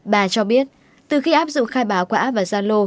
bà cho biết từ khi áp dụng khai báo quả và gia lô